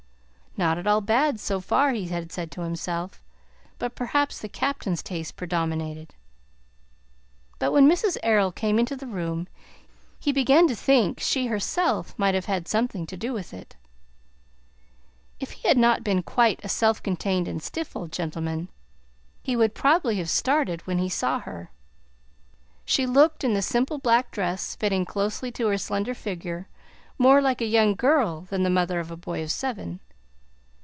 "Not at all bad so far," he had said to himself; "but perhaps the Captain's taste predominated." But when Mrs. Errol came into the room, he began to think she herself might have had something to do with it. If he had not been quite a self contained and stiff old gentleman, he would probably have started when he saw her. She looked, in the simple black dress, fitting closely to her slender figure, more like a young girl than the mother of a boy of seven.